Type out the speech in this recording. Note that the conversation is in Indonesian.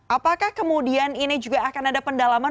apakah kemudian ini juga akan ada pendalaman